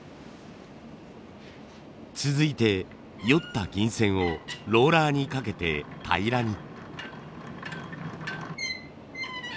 続いてよった銀線をローラーにかけて平らに。